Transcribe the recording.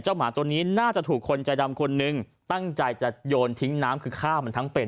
หมาตัวนี้น่าจะถูกคนใจดำคนนึงตั้งใจจะโยนทิ้งน้ำคือฆ่ามันทั้งเป็น